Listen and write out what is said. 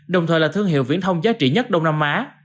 đồng thời là thương hiệu viễn thông giá trị nhất đông nam á